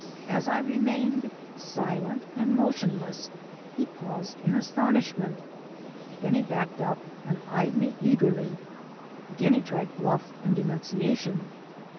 As I remained silent and motionless he paused in aston ishment. Then he backed up and eyed me eagerly. Again he tried bluff and denunciation.